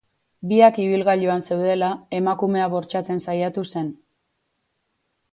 Biak ibilgailuan zeudela, emakumea bortxatzen saiatu zen.